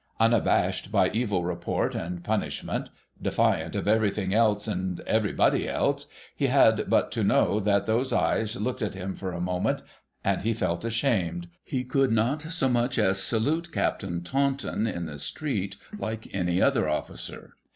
Unabashed by evil report and punishment, defiant of everything else and everybody else, he had but to know that those eyes looked at him for a moment, and he felt ashamed. He could not so much as salute Captain Taunton in the street like any other officer.